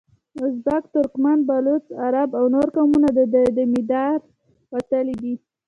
ازبک، ترکمن، بلوڅ، عرب او نور قومونه دده له مداره وتلي دي.